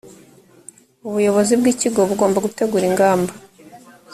ubuyobozi bw ikigo bugomba gutegura ingamba